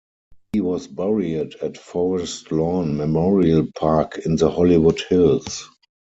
He was buried at Forest Lawn Memorial Park in the Hollywood Hills.